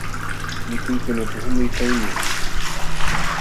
Mikuykuna puqumuykanñam.